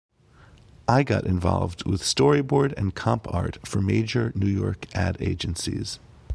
I got involved with storyboard and comp art for major New York ad agencies.